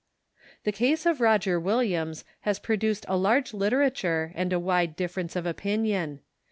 The case of Roger Williams has produced a large literature and a wide difference of opinion.